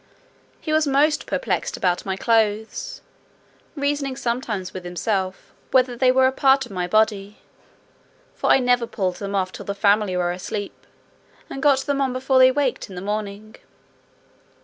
He was most perplexed about my clothes, reasoning sometimes with himself, whether they were a part of my body: for I never pulled them off till the family were asleep, and got them on before they waked in the morning.